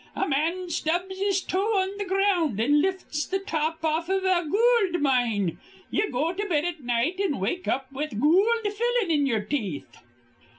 A man stubs his toe on th' ground, an lifts th' top off iv a goold mine. Ye go to bed at night, an' wake up with goold fillin' in ye'er teeth."